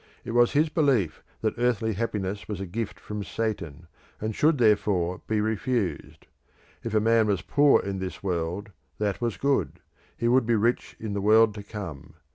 It was his belief that earthly happiness was a gift from Satan, and should therefore be refused. If a man was poor in this world, that was good; he would be rich in the world to come.